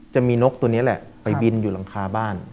จะมีนกตัวนี้แหละไปบินอยู่หลังคาบ้าน